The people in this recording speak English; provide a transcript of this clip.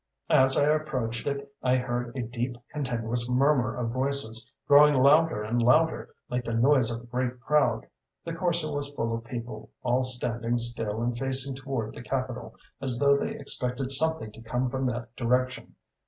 As I approached it I heard a deep, continuous murmur of voices, growing louder and louder, like the noise of a great crowd. The Corso was full of people, all standing still and facing toward the Capitol, as though they expected something to come from that direction.